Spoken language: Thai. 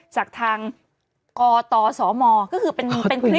จากทางกตสมก็คือเป็นคลิป